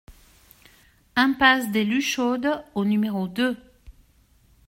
Impasse des Luchaudes au numéro deux